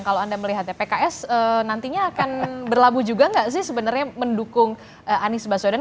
kalau anda melihatnya pks nantinya akan berlabuh juga nggak sih sebenarnya mendukung anies baswedan